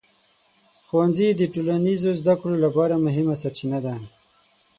ښوونځي د ټولنیز زده کړو لپاره مهمه سرچینه ده.